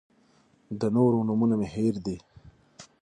د نورو نومونه مې هېر دي.